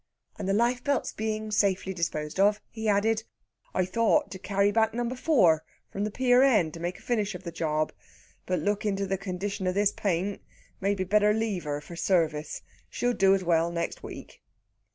And the life belts being safely disposed of, he added: "I thought to carry back number fower from the pier end, and make a finish of the job. But looking to the condition of this paint, maybe better leave her for service. She'll do as well next week."